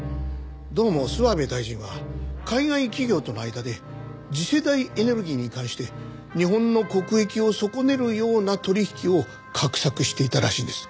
どうも諏訪部大臣は海外企業との間で次世代エネルギーに関して日本の国益を損ねるような取引を画策していたらしいです。